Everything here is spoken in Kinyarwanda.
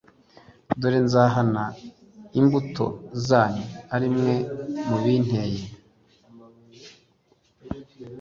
Dore nzahana imbuto zanyu ari mwe mubinteye